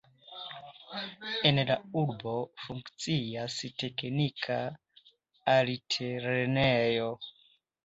En la urbo funkcias teknika altlernejo.